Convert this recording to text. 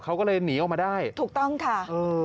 เขาก็เลยหนีออกมาได้ถูกต้องค่ะเออ